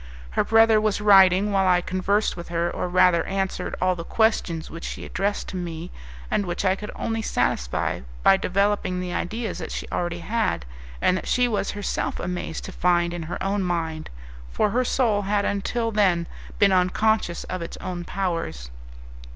Her brother was writing while I conversed with her, or rather answered all the questions which she addressed to me, and which I could only satisfy by developing the ideas that she already had, and that she was herself amazed to find in her own mind, for her soul had until then been unconscious of its own powers.